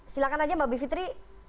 silahkan aja mbak bivitri